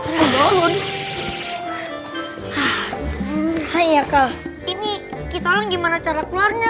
hai hai ya kak ini kita gimana cara keluarnya